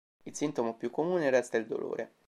Il sintomo più comune resta il dolore.